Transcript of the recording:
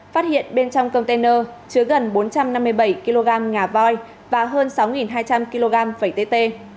phát hiện bên trong container chứa gần bốn trăm năm mươi bảy kg ngà voi và hơn sáu hai trăm linh kg vẩy tê